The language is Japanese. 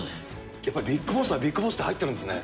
やっぱりＢＩＧＢＯＳＳはＢＩＧＢＯＳＳって入ってるんですね。